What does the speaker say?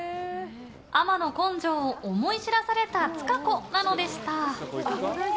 海女の根性を思い知らされたつか子なのでした。